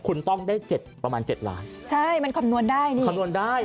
คุณต้องได้เจ็ดประมาณเจ็ดล้านใช่มันคำนวณได้นี่คำนวณได้